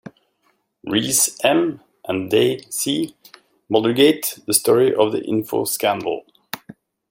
Rees, M and Day, C. Muldergate: The story of the info scandal.